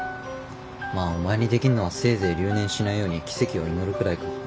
まあお前にできんのはせいぜい留年しないように奇跡を祈るくらいか。